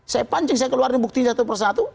saya pancing saya keluarin buktinya satu persatu